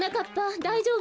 だいじょうぶ？